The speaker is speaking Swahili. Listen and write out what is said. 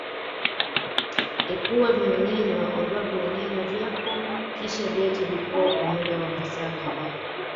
Ipua vimengenywa ondoa vimengenywa vyako kisha viache vipoe kwa muda wa masaa kadhaa